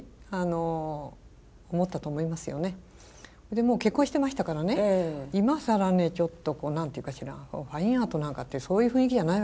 でもう結婚してましたからね今更ちょっと何て言うかしらファインアートなんかっていうそういう雰囲気じゃないわけですね。